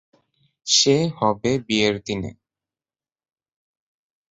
সে হবে বিয়ের দিনে।